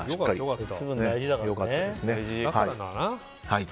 良かったですね。